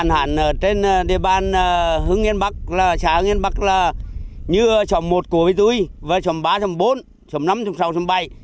hưng yên bắc là xã hưng yên bắc là như xóm một của tôi và xóm ba xóm bốn xóm năm xóm sáu xóm bảy